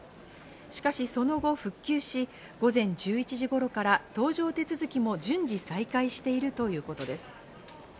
しかしその後復旧し、午前１１時頃から搭乗手続きも順次再開しているということです。